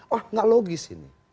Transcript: wah gak logis ini